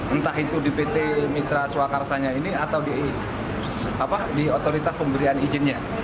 entah itu di pt mitra swakarsanya ini atau di otoritas pemberian izinnya